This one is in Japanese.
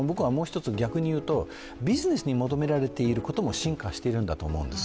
逆に言うとビジネスに求められていることも進化していると思うんです。